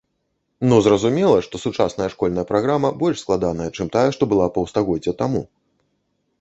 Ну, зразумела, што сучасная школьная праграма больш складаная, чым тая, што была паўстагоддзя таму!